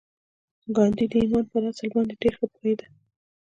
ګاندي د ایمان پر اصل باندې ډېر ښه پوهېده